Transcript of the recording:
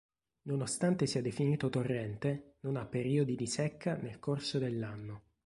Nonostante sia definito torrente non ha periodi di secca nel corso dell'anno.